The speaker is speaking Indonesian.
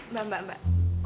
mbak mbak mbak